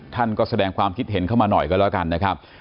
ท่านก็แสดงความคิดเห็นเข้ามาหน่อยก็แล้วกันนะครับ